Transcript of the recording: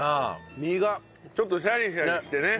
実がちょっとシャリシャリしてね。